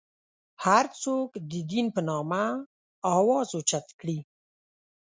هر څوک د دین په نامه اواز اوچت کړي.